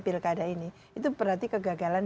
pilkada ini itu berarti kegagalan